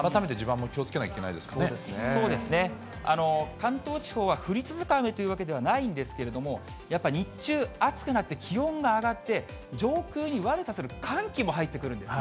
関東地方は降り続く雨というわけではないんですけれども、やっぱり日中、暑くなって気温が上がって、上空に悪さする寒気も入ってくるんです。